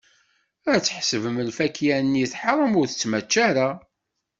Ad tḥesbem lfakya-nni teḥṛem, ur tettmačča ara.